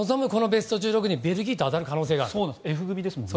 ベスト１６にベルギーと当たる可能性があるんです。